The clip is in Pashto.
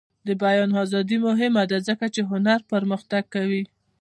د بیان ازادي مهمه ده ځکه چې هنر پرمختګ کوي.